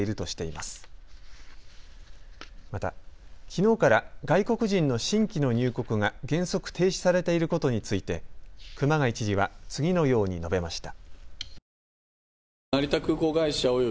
また、きのうから外国人の新規の入国が原則、停止されていることについて熊谷知事は次のように述べました。